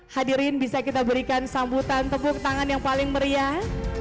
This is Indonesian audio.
hadirin bisa kita berikan sambutan tepuk tangan yang paling meriah